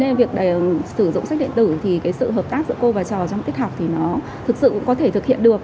nên việc sử dụng sách điện tử thì cái sự hợp tác giữa cô và trò trong tiết học thì nó thực sự cũng có thể thực hiện được